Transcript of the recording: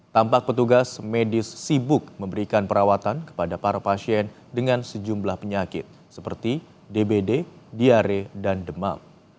tampak petugas medis sibuk memberikan perawatan kepada para pasien dengan sejumlah penyakit seperti dbd diare dan demam